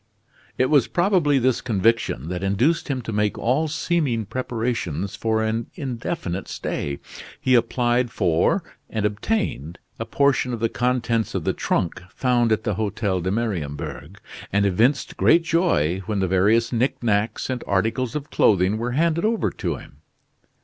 It was probably this conviction that induced him to make all seeming preparations for an indefinite stay. He applied for and obtained a portion of the contents of the trunk found at the Hotel de Mariembourg, and evinced great joy when the various knickknacks and articles of clothing were handed over to him.